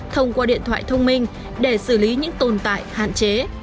thông qua điện thoại thông minh để xử lý những tồn tại hạn chế